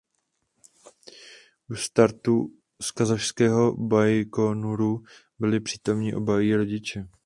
U startu z kazašského Bajkonuru byli přítomni oba její rodiče.